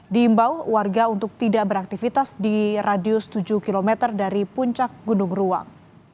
diimbau warga untuk tidak beraktivitas di radius tujuh km dari puncak gunung ruang